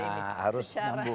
nah harus nyambung